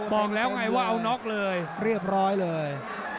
บอกแล้วไงว่าเอาน็อกเลยเรียบร้อยเลย